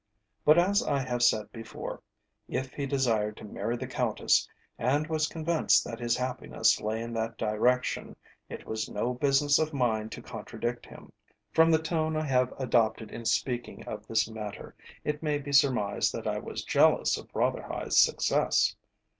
But as I have said before, if he desired to marry the Countess, and was convinced that his happiness lay in that direction, it was no business of mine to contradict him. From the tone I have adopted in speaking of this matter it may be surmised that I was jealous of Rotherhithe's success.